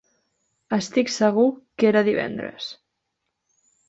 Estic segur que era divendres.